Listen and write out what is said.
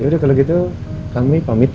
yaudah kalau gitu kami pamit ya